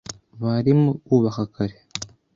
Barimo bubaka kare.